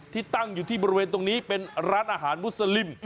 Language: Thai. ตั้งอยู่ที่บริเวณตรงนี้เป็นร้านอาหารมุสลิม